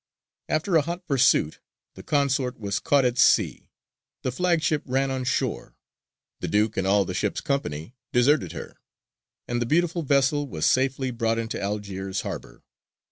After a hot pursuit the consort was caught at sea; the flagship ran on shore; the Duke and all the ship's company deserted her; and the beautiful vessel was safely brought into Algiers harbour.